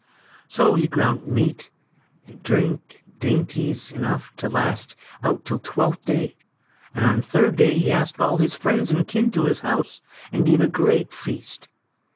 So he ground meat and drink and dainties enough to last out till Twelfth Day, and on the third day he asked all his friends and kin to his house, and gave a great feast.